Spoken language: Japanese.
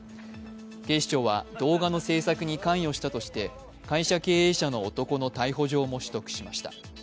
警視庁は動画の制作に関与したとして、会社経営者の男の逮捕状も取得しました。